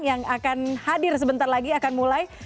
yang akan hadir sebentar lagi akan mulai